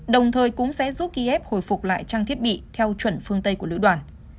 đồng thời cũng sẽ giúp ký ép hồi phục lại trang thiết bị theo chuẩn phương tây của lưu đoàn